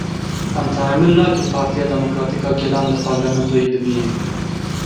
Em tehemûl nakin Partiya Demokratîk a Gelan li parlamentoyê bibînin.